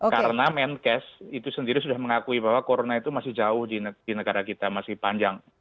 karena menkes itu sendiri sudah mengakui bahwa corona itu masih jauh di negara kita masih panjang